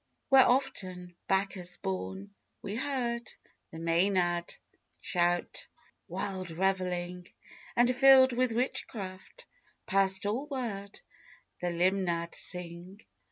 Where often, Bacchus borne, we heard The Mænad shout, wild revelling: And filled with witchcraft, past all word, The Limnad sing.